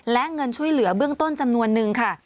และเงินช่วยเหลือเบื้องต้นจำนวนนึงค่ะ